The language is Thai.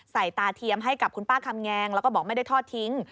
ตาเทียมให้กับคุณป้าคำแงงแล้วก็บอกไม่ได้ทอดทิ้ง